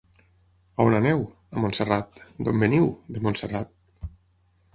On aneu? —A Montserrat. —D'on veniu? —De Montserrat.